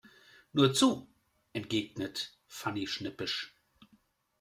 Nur zu, entgegnet Fanny schnippisch.